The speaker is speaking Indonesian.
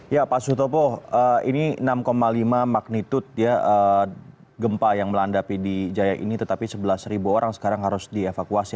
ya pak sutopo ini enam lima magnitude gempa yang melanda pd jaya ini tetapi sebelas orang sekarang harus dievakuasi